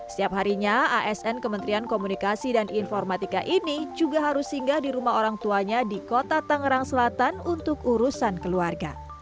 setiap harinya asn kementerian komunikasi dan informatika ini juga harus singgah di rumah orang tuanya di kota tangerang selatan untuk urusan keluarga